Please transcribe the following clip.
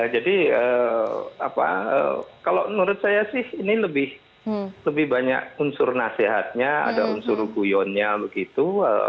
jadi kalau menurut saya sih ini lebih banyak unsur nasihatnya ada unsur guyonnya begitu